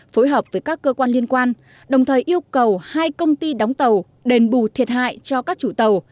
phối hợp với các cơ quan liên quan đồng thời yêu cầu hai công ty đóng tàu đền bù thiệt hại cho các chủ tàu